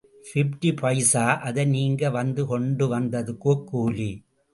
Fifty பைசா அதை நீங்க கொண்டு வந்ததுக்குக் கூலி.